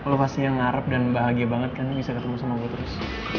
lo pasti yang ngarep dan bahagia banget kan bisa ketemu sama gue terus